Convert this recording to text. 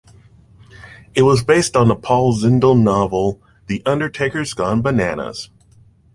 It was based on the Paul Zindel novel "The Undertaker's Gone Bananas".